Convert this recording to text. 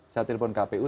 saya telepon kpu